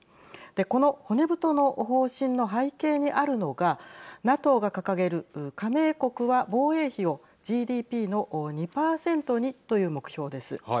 この骨太の方針の背景にあるのがＮＡＴＯが掲げる加盟国は防衛費をＧＤＰの２％にという目標です。